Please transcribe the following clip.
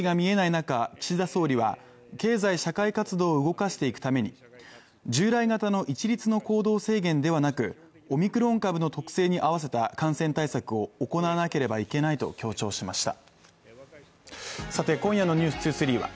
中岸田総理は経済社会活動を動かしていくために従来型の一律の行動制限ではなくオミクロン株の特性に合わせた感染対策を行わなければいけないと強調しました